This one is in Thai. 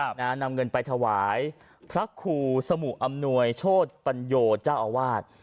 ครับน่านำเงินไปถวายพระคู่สมุอำนวยโชตปัญโยชน์เจ้าอาวาส